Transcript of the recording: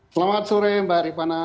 selamat sore mbak haripana